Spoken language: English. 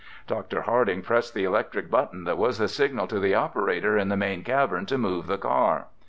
Dr. Harding pressed the electric button that was the signal to the operator in the main cavern to move the car.